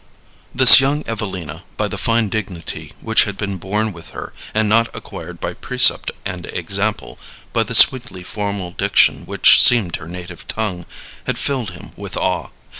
This young Evelina, by the fine dignity which had been born with her and not acquired by precept and example, by the sweetly formal diction which seemed her native tongue, had filled him with awe.